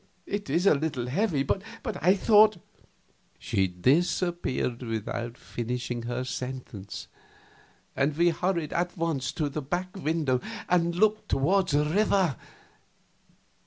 It is a little heavy, but I thought " She disappeared without finishing her sentence, and we hurried at once to the back window and looked toward the river.